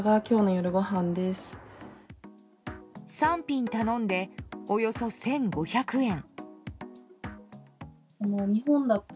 ３品頼んでおよそ１５００円。